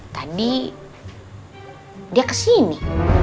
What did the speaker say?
tadi dia kesini